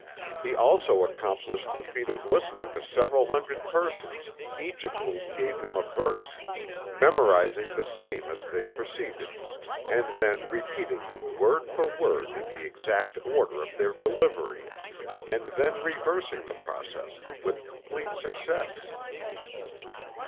He also accomplished the feat of listening to several hundred persons, each of whom gave him a verse; memorizing the same as they proceeded; and then repeating them word for word in the exact order of their delivery and then reversing the process, with complete success.